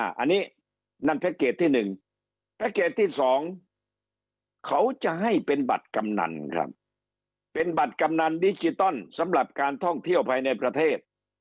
อันนี้นั่นแพ็คเกจที่๑แพ็คเกจที่๒เขาจะให้เป็นบัตรกำนันครับเป็นบัตรกำนันดิจิตอลสำหรับการท่องเที่ยวภายในประเทศ